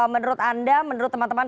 menurut anda menurut teman teman